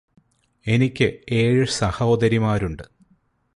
എനിക്ക് ഏഴ് സഹോദരിമാരുണ്ട്